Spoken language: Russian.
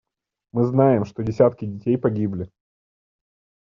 Мы знаем, что десятки детей погибли.